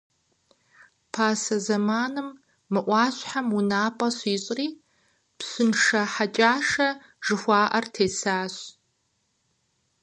Пасэ зэманым, мы ӏуащхьэм унапӏэ щищӏри, Пщыншэ Хьэкӏашэ жыхуаӏэр тесащ.